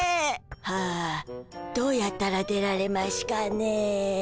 はあどうやったら出られましゅかね。